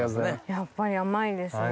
やっぱり甘いですね